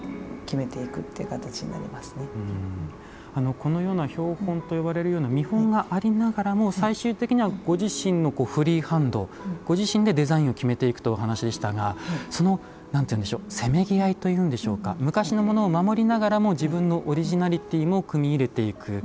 このような標本と呼ばれるような見本がありながらも最終的にはご自身のフリーハンドご自身でデザインを決めていくというお話でしたがその何て言うんでしょうせめぎ合いというんでしょうか昔のものを守りながらも自分のオリジナリティーも組み入れていく。